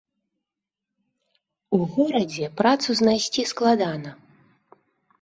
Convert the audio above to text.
У горадзе працу знайсці складана.